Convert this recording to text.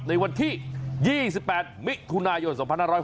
ในวันที่๒๘มิถุนายน๒๕๖๒